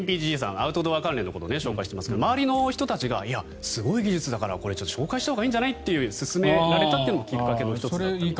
アウトドア関連のことを紹介してますけど周りの人たちがすごい技術だからこれは紹介したほうがいいんじゃないって勧められたこともきっかけの１つと。